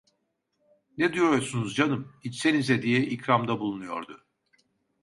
"Ne duruyorsunuz canım, içsenize!" diye ikramda bulunuyordu.